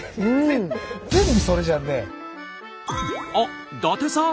あっ伊達さん！